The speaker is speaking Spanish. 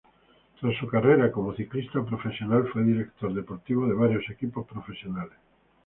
Tras su carrera como ciclista profesional fue director deportivo de varios equipos profesionales.